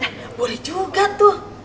nah boleh juga tuh